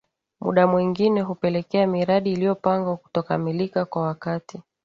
Muda mwengine hupelekea miradi iliyopangwa kutokukamilika kwa wakati